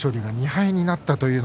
２敗になりました。